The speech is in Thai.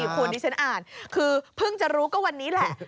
คุณที่ฉันอ่านคือเพิ่งจะรู้ก็วันนี้แหละ